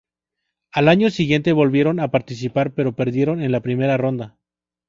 Al año siguiente volvieron a participar pero perdieron en la primera ronda.